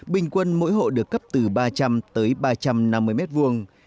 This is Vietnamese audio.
bình quân mỗi hộ được cấp từ ba trăm linh tới ba trăm năm mươi mét vuông